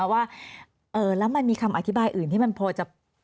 ว่าแล้วมันมีคำอธิบายอื่นที่มันพอจะ